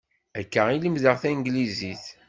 Akka i lemdeɣ taneglizit.